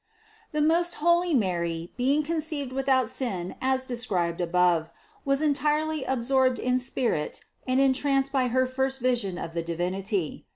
The most holy Mary, being conceived without sin as described above, was entirely absorbed in spirit and entranced by her first vision of the Divinity.